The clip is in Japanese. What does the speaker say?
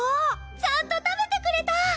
ちゃんと食べてくれた。